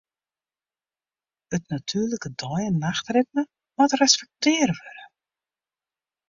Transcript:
It natuerlike dei- en nachtritme moat respektearre wurde.